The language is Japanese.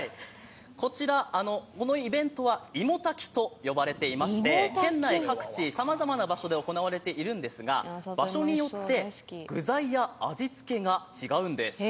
こちら、このイベントはいも炊きと呼ばれていまして県内各地さまざまな場所で行われているんですが、場所によって具材や味付けが違うんです